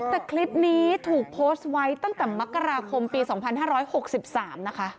แต่คลิปนี้ถูกโพสต์ไว้ตั้งแต่มกราคมปี๒๕๖๓นะคะ